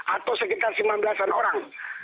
atau sekitar sembilan belas an orang